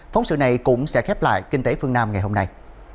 phóng sự này cũng sẽ khép lại kinh tế phương nam ngày hôm nay